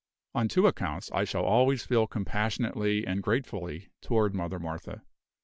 On two accounts, I shall always feel compassionately and gratefully toward Mother Martha.